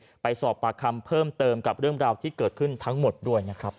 ไปสอบปากคำเพิ่มเติมกับเรื่องราวที่เกิดขึ้นทั้งหมดด้วยนะครับ